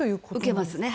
受けますね。